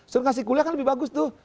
suruh kasih kuliah kan lebih bagus tuh